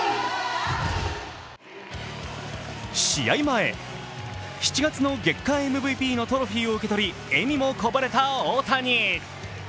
試合前、７月の月間ＭＶＰのトロフィーを受け取り笑みもこぼれた大谷。